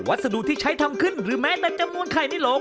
สดุที่ใช้ทำขึ้นหรือแม้แต่จำนวนไข่ในหลง